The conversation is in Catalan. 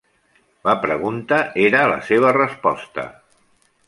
La pregunta era la seva resposta.